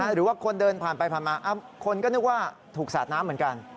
หรือว่าคนเดินผ่านไปผ่านมาคนก็นึกว่าถูกสาดน้ำเหมือนกัน